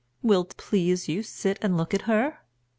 Will't please you sit and look at her?